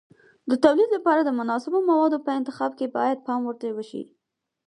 د تولید لپاره د مناسبو موادو په انتخاب کې باید پام ورته وشي.